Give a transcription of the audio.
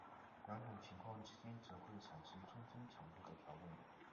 两种情况之间则会产生中间强度的条纹。